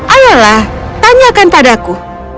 ayolah tanyakan padaku